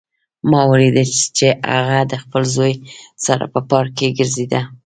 ما ولیدل چې هغه د خپل زوی سره په پارک کې ګرځېده